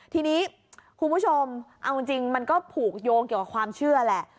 ทีนี้คุณผู้ชมเอาจริงมันก็ผูกโยงเกี่ยวกับความเชื่อแหละ